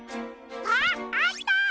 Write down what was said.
あっあった！